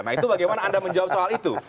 nah itu bagaimana anda menjawab soal itu